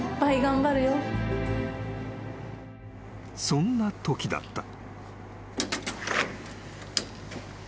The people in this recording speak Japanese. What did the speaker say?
［そんなときだった］